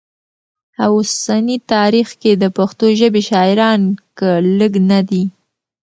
او اوسني تاریخ کي د پښتو ژبې شاعران که لږ نه دي